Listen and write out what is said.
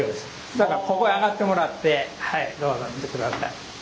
だからここへ上がってもらってどうぞ見て下さい。